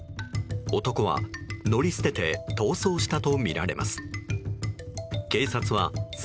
男は、乗り捨てて逃走したとみられます。